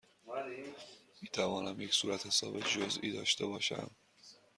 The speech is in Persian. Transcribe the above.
می توانم یک صورتحساب جزئی داشته باشم؟